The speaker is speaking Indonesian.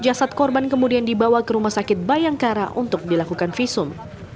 jasad korban kemudian dibawa ke rumah sakit bayangkara untuk dilakukan visum